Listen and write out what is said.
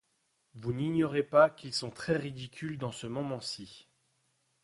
Vous n'ignorez pas qu'ils sont très ridicules dans ce moment-ci.